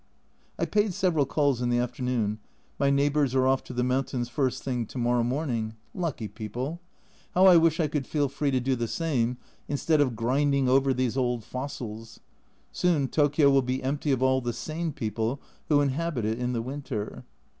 I paid several calls in the afternoon my neigh bours are off to the mountains first thing to morrow A Journal from Japan 185 morning lucky people ! How I wish I could feel free to do the same, instead of grinding over these old fossils. Soon Tokio will be empty of all the sane people who inhabit it in the winter.